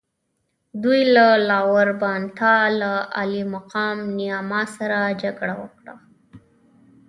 دوی له لاور بانتا له عالي مقام نیاما سره جګړه وکړه.